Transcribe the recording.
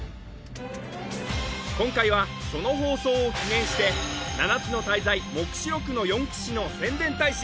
今回はその放送を記念して「七つの大罪黙示録の四騎士」の宣伝大使